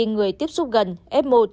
người tiếp xúc gần f một